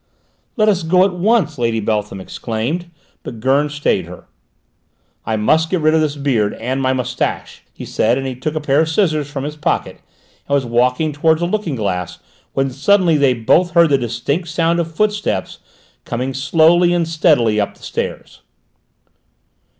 "Let us go at once!" Lady Beltham exclaimed, but Gurn stayed her. "I must get rid of this beard, and my moustache," he said, and he took a pair of scissors from his pocket and was walking towards a looking glass when suddenly they both heard the distinct sound of footsteps coming slowly and steadily up the stairs.